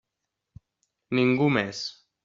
Ningú més.